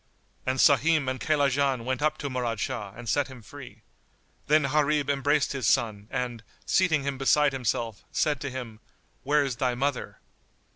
And Sahim and Kaylajan went up to Murad Shah and set him free. Then Gharib embraced his son and, seating him beside himself, said to him, "Where is thy mother?"